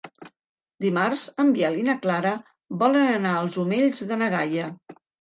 Dimarts en Biel i na Clara volen anar als Omells de na Gaia.